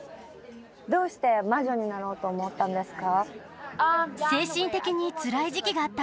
どうして魔女になろうと思ったんですか？